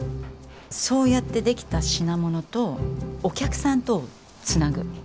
そうやって出来た品物とお客さんとをつなぐ。